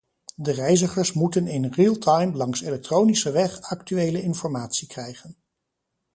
De reizigers moeten in real time langs elektronische weg actuele informatie krijgen.